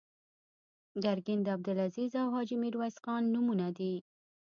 ګرګین د عبدالعزیز او حاجي میرویس خان نومونه دي.